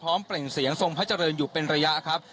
เปล่งเสียงทรงพระเจริญอยู่เป็นระยะครับ